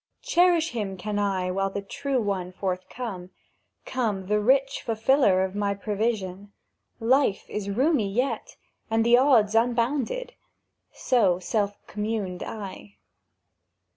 "Cherish him can I while the true one forthcome— Come the rich fulfiller of my prevision; Life is roomy yet, and the odds unbounded." So self communed I.